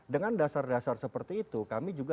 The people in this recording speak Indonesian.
dengan dasar dasar seperti itu kami juga